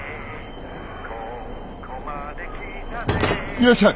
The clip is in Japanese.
いらっしゃい。